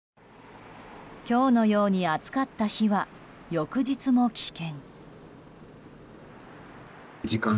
今日のように暑かった日は翌日も危険。